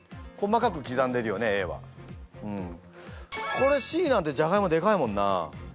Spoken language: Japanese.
これＣなんてジャガイモでかいもんな。